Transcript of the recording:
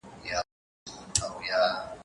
هغه وويل چي لرګي مهم دي